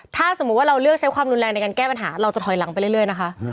ถ้าสมมุติว่าเราเลือกใช้ความรุนแรงในการแก้ปัญหาเราจะถอยหลังไปเรื่อยนะคะ